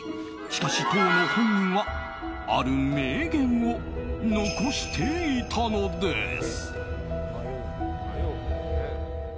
しかし、当の本人はある迷言を残していたのです。